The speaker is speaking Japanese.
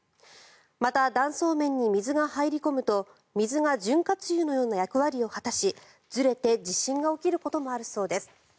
また、断層面に水が入り込むと水が潤滑油のような役割を果たしずれて地震が起きることもあるそうです。